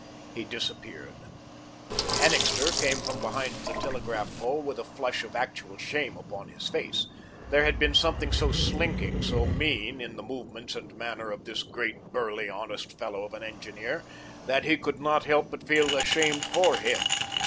He disappeared. Annixter came from behind the telegraph pole with a flush of actual shame upon his face. There had been something so slinking, so mean, in the movements and manner of this great, burly honest fellow of an engineer, that he could not help but feel ashamed for him.